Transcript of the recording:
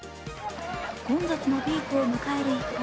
混雑のピークを迎える一方